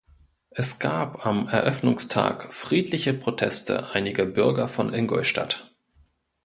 Es gab am Eröffnungstag friedliche Proteste einiger Bürger von Ingolstadt.